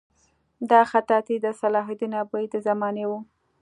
دا خطاطي د صلاح الدین ایوبي د زمانې وه.